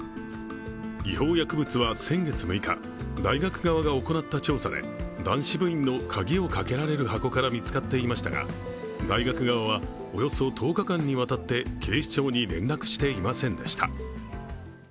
違法薬物は、先月６日大学側が行った調査で男子部員の鍵をかけられる箱から見つかっていましたが、大学側はおよそ１０日間にわたって警視庁に連絡していませんでした。